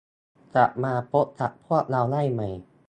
กลับมาพบกับพวกเราได้ใหม่